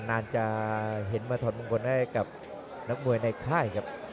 นานจะเห็นมาถอดมงคลให้กับนักมวยในค่ายครับ